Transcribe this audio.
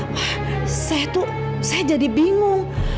wah saya tuh saya jadi bingung